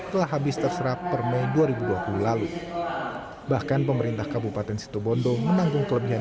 telah habis terserap per mei dua ribu dua puluh lalu bahkan pemerintah kabupaten situbondo menanggung kelebihan